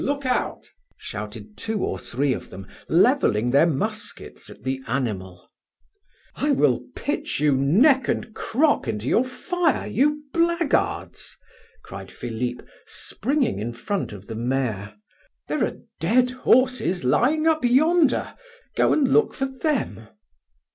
Look out!" shouted two or three of them, leveling their muskets at the animal. "I will pitch you neck and crop into your fire, you blackguards!" cried Philip, springing in front of the mare. "There are dead horses lying up yonder; go and look for them!"